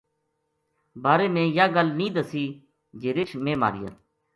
بارے میں یاہ گل نیہہ دسی جے رچھ میں ماریا